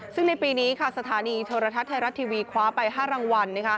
ซึ่งในปีนี้สถานีโทรทัศน์ไทยรัฐทีวีคว้าไป๕รางวัล